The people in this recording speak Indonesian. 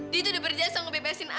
dia tuh udah berjasa ngebebasin aku ya